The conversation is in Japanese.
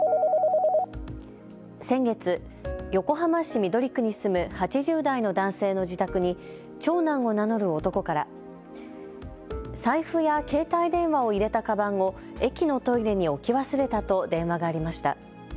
先月、横浜市緑区に住む８０代の男性の自宅に長男を名乗る男から財布や携帯電話を入れたかばんを駅のトイレに置き忘れたと電話がありました。